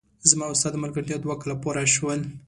زما او ستا د ملګرتیا دوه کاله پوره شول!